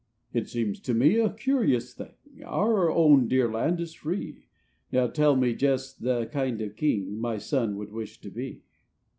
"It seems to me a curious thing; Our own dear Land is free; Now tell me just the kind of king My son would wish to be."